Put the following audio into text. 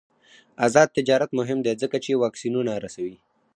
آزاد تجارت مهم دی ځکه چې واکسینونه رسوي.